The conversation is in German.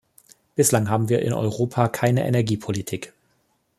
Bislang haben wir in Europa keine Energiepolitik.